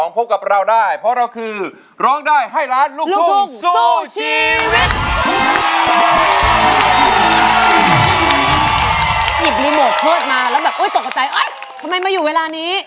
หยิบริโมเคิศมาแล้วตกใจทำไมมาอยู่เวลานี้